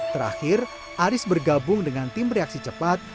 terakhir aris bergabung dengan tim reaksi cepat